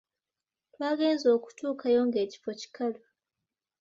Twagenze okutuukayo nga ekifo kikalu!